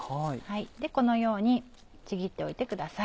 このようにちぎっておいてください。